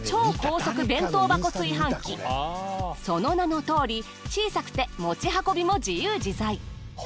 その名のとおり小さくて持ち運びも自由自在。